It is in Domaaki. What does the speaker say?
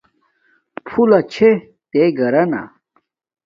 پھولہ چھے تے گھرانا